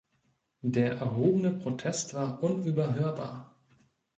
Der erhobene Protest war unüberhörbar.